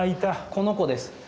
この子です。